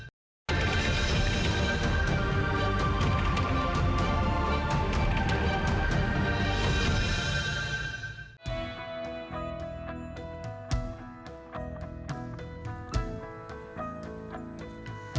sekarang saya ingin meminya